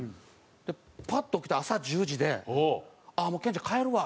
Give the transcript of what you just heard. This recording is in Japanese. パッと起きたら朝１０時で「ああもうケンちゃん帰るわ」